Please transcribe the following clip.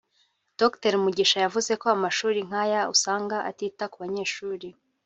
Dr Mugisha yavuze ko amashuri nk’ayo usanga atita ku banyeshuri